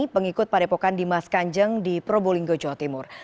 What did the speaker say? pengikut padepokan dimas kanjeng di probolinggo jawa timur